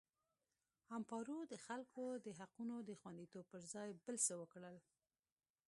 امپارو د خلکو د حقونو د خوندیتوب پر ځای بل څه وکړل.